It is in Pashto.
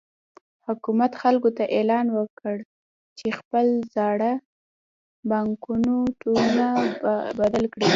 حکومت خلکو ته اعلان وکړ چې خپل زاړه بانکنوټونه بدل کړي.